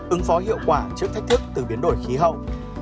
ứng phó hiệu quả trước thách thức từ biến đổi khí hậu